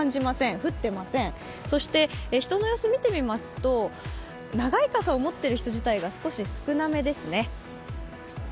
降ってません、そして人の様子見てみますと長い傘を持っている人自体が少なめですね。